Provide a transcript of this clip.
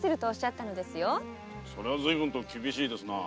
それはずいぶんと厳しいですな。